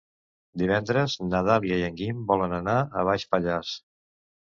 Divendres na Dàlia i en Guim volen anar a Baix Pallars.